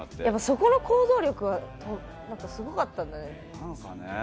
そこの行動力はすごかったんだね。